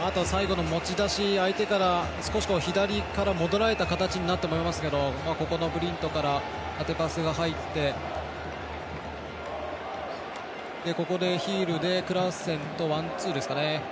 あと、最後の持ち出し相手から少し左から戻られた形になったと思いますけどブリントから縦パスが入ってヒールでクラーセンとワンツーですかね。